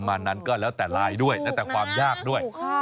มานั้นก็แล้วแต่ลายด้วยแล้วแต่ความยากด้วย